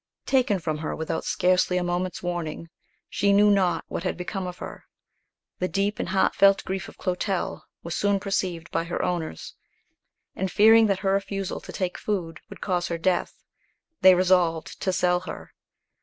Taken from her without scarcely a moment's warning, she knew not what had become of her. The deep and heartfelt grief of Clotel was soon perceived by her owners, and fearing that her refusal to take food would cause her death, they resolved to sell her.